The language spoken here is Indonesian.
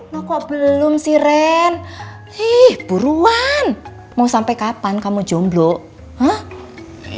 lah kok belum sih ren ih buruan mau sampai kapan kamu jomblo hah